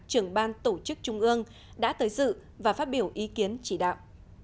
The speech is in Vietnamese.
trưởng ban tổ chức trung ương đã tới dự và phát biểu ý kiến chỉ đạo